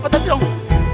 pak sultoni tunggu